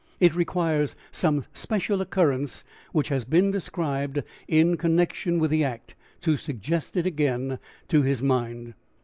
It requires some special occurrence which has been described in connection with the act to suggest it again to his mind.